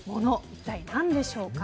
一体何でしょうか。